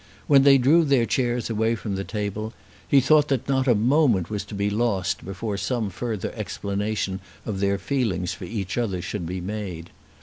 When they drew their chairs away from the table he thought that not a moment was to be lost before some further explanation of their feelings for each other should be made.